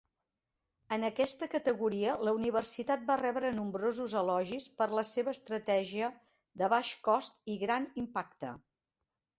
En aquesta categoria, la universitat va rebre nombrosos elogis per la seva estratègia de "baix cost i gran impacte".